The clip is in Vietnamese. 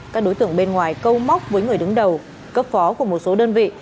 các đối tượng bên ngoài câu móc với người đứng đầu cấp phó của một số đơn vị